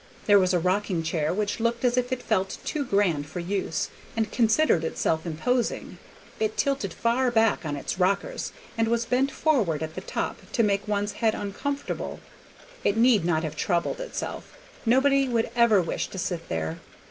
There was a rocking chair which looked as if it felt too grand for use, and considered itself imposing. It tilted far back on its rockers, and was bent forward at the top to make one's head uncomfortable. It need not have troubled itself; nobody would ever wish to sit there.